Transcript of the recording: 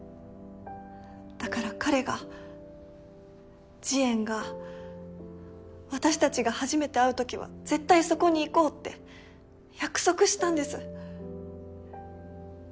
だから彼がジエンが私たちが初めて会う時は絶対そこに行こうって約束したんです。